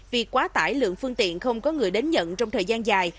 việc quá tải lượng phương tiện không có người đến nhận trong thời gian dài